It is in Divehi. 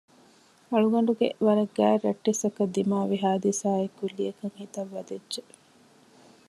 އަޅުގަނޑުގެ ވަރަށް ގާތް ރައްޓެއްސަކަށް ދިމާވި ހާދިސާއެއް ކުއްލިއަކަށް ހިތަށް ވަދެއްޖެ